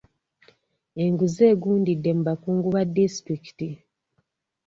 Enguzi egundidde mu bakungu ba disitulikiti.